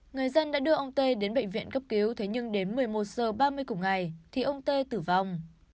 người dân đã đưa ông t đến bệnh viện cấp cứu thế nhưng đến một mươi một giờ ba mươi cục ngày thì ông t tử vong